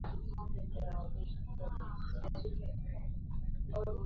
madai hayo hayakuwa na athari kubwa kisiasa